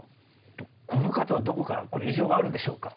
この方はどこかこれ異常があるんでしょうか？